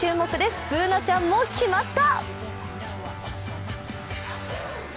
Ｂｏｏｎａちゃんも決まった！